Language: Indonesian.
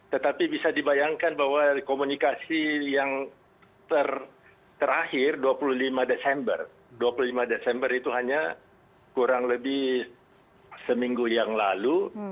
tetapi bisa dibayangkan bahwa komunikasi yang terakhir dua puluh lima desember dua puluh lima desember itu hanya kurang lebih seminggu yang lalu